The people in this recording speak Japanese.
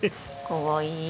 かわいい。